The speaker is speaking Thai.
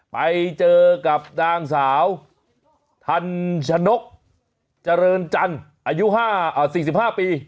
ไปเจอกับนางสาวทันชนกเจริญจันทร์อายุ๔๕ปี